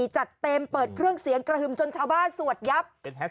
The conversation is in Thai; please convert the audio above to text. จัดเต็มเปิดเครื่องเสียงกระหึ่มจนชาวบ้านสวดยับ